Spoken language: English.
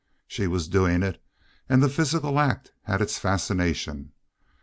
She was doing it, and the physical act had its fascination.